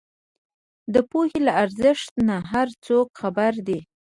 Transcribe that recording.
د پوهې له ارزښت نۀ هر څوک خبر دی